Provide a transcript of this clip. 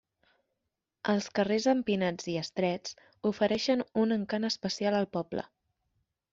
Els carrers empinats i estrets ofereixen un encant especial al poble.